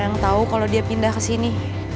yang tahu kalau dia pindah ke sini